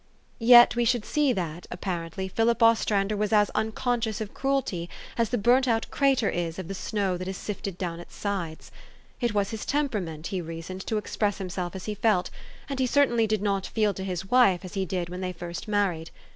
Yet we should see that, apparently, Philip Os trander was as unconscious of cruelt}^ as the burnt out crater is of the snow that has sifted down its sides. It was his temperament, he reasoned, to ex press himself as he felt, and he certainly did not feel to his wife as he did when they first married.